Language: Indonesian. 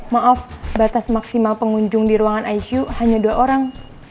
maaf batas maksimal pengunjung di ruangan icu hanya dua orang